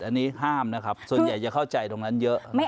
อันนี้ห้ามนะครับส่วนใหญ่จะเข้าใจตรงนั้นเยอะ